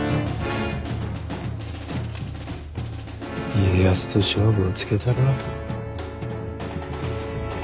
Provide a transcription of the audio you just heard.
家康と勝負をつけたるわ。